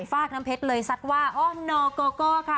ฝากน้ำเพชรเลยซัดว่าอ้อนโกโก้ค่ะ